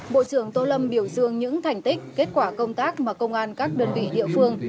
bộ trưởng tô lâm biểu dương những thành tích kết quả công tác mà công an các đơn vị địa phương